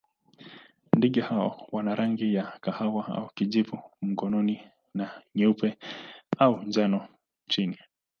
Ndege hawa wana rangi ya kahawa au kijivu mgongoni na nyeupe au njano chini.